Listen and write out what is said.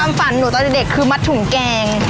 ฝันหนูตอนเด็กคือมัดถุงแกง